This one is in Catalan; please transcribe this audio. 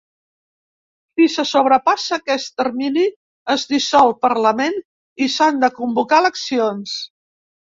Si se sobrepassa aquest termini, es dissol Parlament i s'han de convocar eleccions.